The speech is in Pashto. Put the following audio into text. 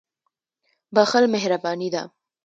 • بښل مهرباني ده.